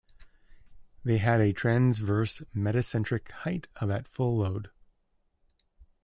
They had a transverse metacentric height of at full load.